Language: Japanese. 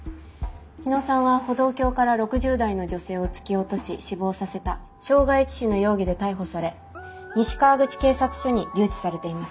日野さんは歩道橋から６０代の女性を突き落とし死亡させた傷害致死の容疑で逮捕され西川口警察署に留置されています。